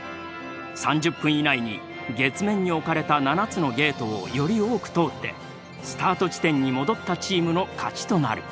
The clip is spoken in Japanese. ３０分以内に月面に置かれた７つのゲートをより多く通ってスタート地点に戻ったチームの勝ちとなる。